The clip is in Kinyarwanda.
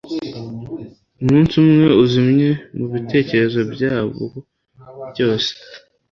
umunsi umwe uzimye mubitekerezo byabo byose